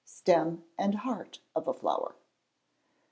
Stem and Heart of a Flower.